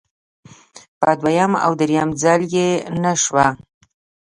په دویم او دریم ځل چې نشوه.